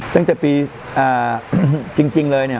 ตั้งแต่ปีจริงเลยเนี่ย